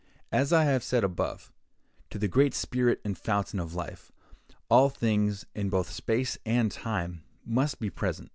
As I have said above—to the great Spirit and Fountain of life, all things, in both space and time, must be present.